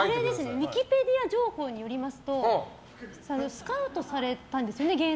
ウィキペディア情報によりますとスカウトされたんですよね